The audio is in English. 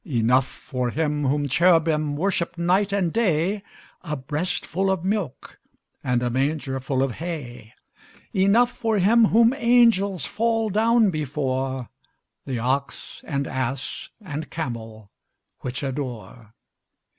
Enough for Him whom cherubim Worship night and day, A breastful of milk And a mangerful of hay; Enough for Him whom angels Fall down before, The ox and ass and camel Which adore.